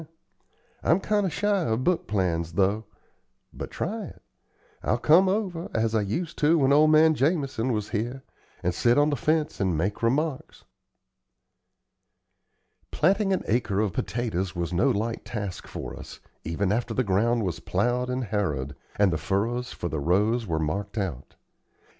I'm kind o' shy of book plans, though. But try it. I'll come over, as I used to when old man Jamison was here, and sit on the fence and make remarks." Planting an acre of potatoes was no light task for us, even after the ground was plowed and harrowed, and the furrows for the rows were marked out.